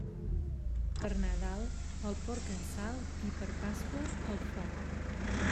Per Nadal, el porc en sal, i per Pasqua, al foc.